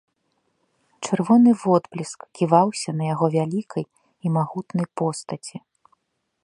Чырвоны водбліск ківаўся на яго вялікай і магутнай постаці.